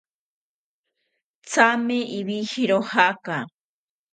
Thame iwijiro jaaka